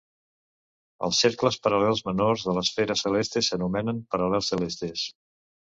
Els cercles paral·lels menors de l'esfera celeste s'anomenen paral·lels celestes.